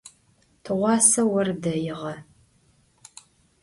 Tığuase vor deiğe.